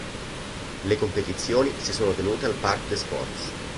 Le competizioni si sono tenute al Parc des Sports.